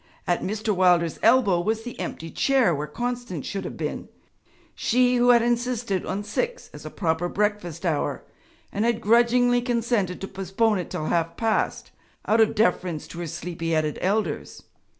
At Mr. Wilder's elbow was the empty chair where Constance should have been she who had insisted on six as a proper breakfast hour, and had grudgingly consented to postpone it till half past out of deference to her sleepy headed elders.